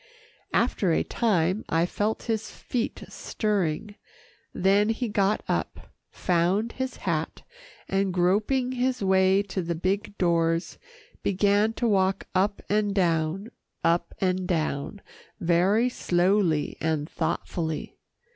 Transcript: After a time I felt his feet stirring, then he got up, found his hat, and groping his way to the big doors, began to walk up and down, up and down, very slowly and thoughtfully.